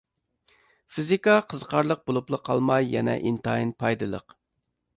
فىزىكا قىزىقارلىق بولۇپلا قالماي، يەنە ئىنتايىن پايدىلىق.